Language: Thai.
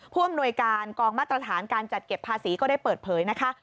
ผู้อำนวยการกองมาตรฐานการจัดเก็บภาษีก็ได้เปิดเผยนะคะ